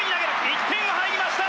１点が入りました！